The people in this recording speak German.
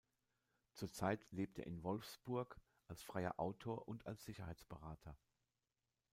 Zurzeit lebt er in Wolfsburg als freier Autor und als Sicherheitsberater.